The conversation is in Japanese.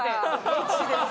「１です」。